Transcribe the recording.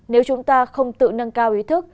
nếu chúng ta không tự nâng cao ý thức